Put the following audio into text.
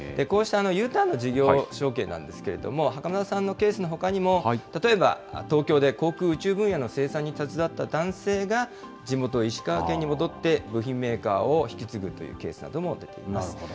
こうしたＵターンの事業承継なんですけれども、袴田さんのケースのほかにも、例えば東京で航空・宇宙分野の生産に携わった男性が、地元、石川県に戻って、部品メーカーを引き継ぐというケースなども出ています。